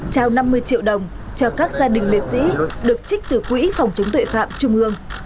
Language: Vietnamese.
trao năm mươi triệu đồng cho các gia đình liệt sĩ được trích từ quỹ phòng chống tội phạm trung ương